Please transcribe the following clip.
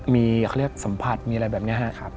มีสัมผัสมีอะไรแบบนี้ครับ